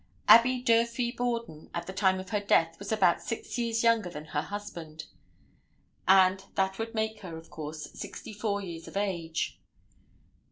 Abby Durfee Borden, at the time of her death, was about six years younger than her husband, and that would make her, of course, sixty four years of age.